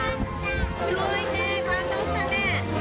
すごいね、感動したね。